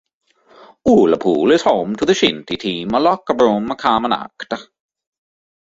Ullapool is home to the shinty team Lochbroom Camanachd.